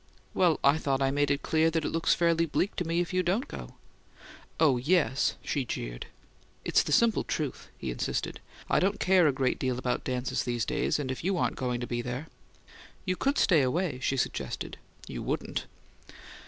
"Well, I thought I'd made it clear that it looks fairly bleak to me if you don't go." "Oh, yes!" she jeered. "It's the simple truth," he insisted. "I don't care a great deal about dances these days; and if you aren't going to be there " "You could stay away," she suggested. "You wouldn't!"